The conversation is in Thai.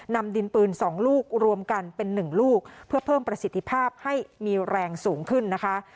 นำดินปืน๒ลูกรวมกันเป็น๑ลูกเพื่อเพิ่มประสิทธิภาพให้มีแรงสูงขึ้นนะคะ